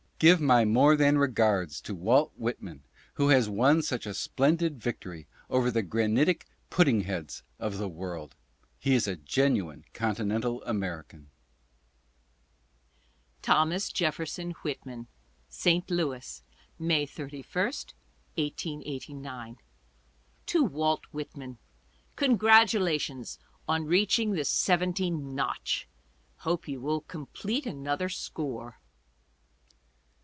Give my more than regards to Walt Whitman, who has won such a splendid victory over the " granitic pudding heads " of the world. He is a genuine Continental American. Thomas Jefferson Whitman: St. Louis, May 31, 1889. To Walt Whitman — Congratulations on reaching the seventy notch. Hope you will complete another score.